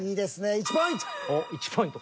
１ポイント。